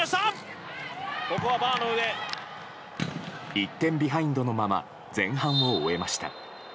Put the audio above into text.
１点ビハインドのまま前半を終えました。